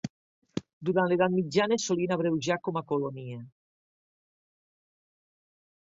Durant l'Edat Mitjana, es solien abreujar com a "Colonia".